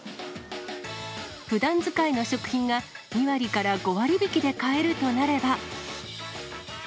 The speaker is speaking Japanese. ふだん使いの食品が、２割から５割引きで買えるとなれば。